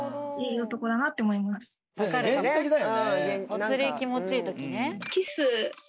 お釣り気持ちいい時ね